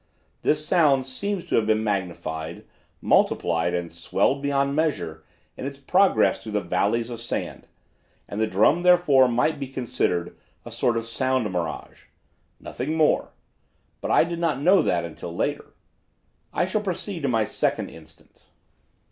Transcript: This sound seems to have been magnified, multiplied, and swelled beyond measure in its progress through the valleys of sand, and the drum therefore might be considered a sort of sound mirage. Nothing more. But I did not know that until later. "I shall proceed to my second instance.